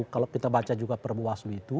kalau kita baca juga perbawah seluruh itu